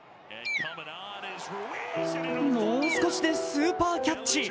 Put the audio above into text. もう少しでスーパーキャッチ。